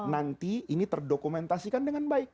nanti ini terdokumentasikan dengan baik